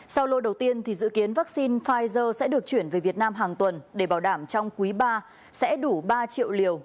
sau lô đầu tiên dự kiến vaccine pfizer sẽ được chuyển về việt nam hàng tuần để bảo đảm trong quý ba sẽ đủ ba triệu liều